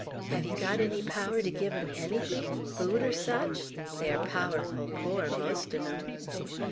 Hev ye got enny power to giv' 'em ennything, food or sech? They air powerful pore, most on 'em."